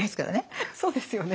そうですよね。